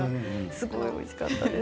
すごくおいしかったです。